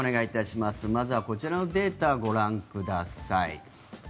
まずはこちらのデータをご覧ください。